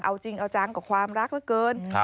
เอาจริงเอาจังกับความรักเหลือเกิน